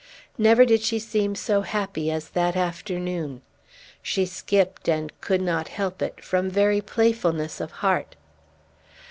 Never did she seem so happy as that afternoon. She skipt, and could not help it, from very playfulness of heart.